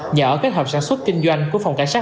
nhờ kết hợp sản xuất kinh doanh của phòng cảnh sát